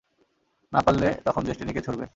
না পারলে তখন ডেস্টিনিকে ছুড়বেন।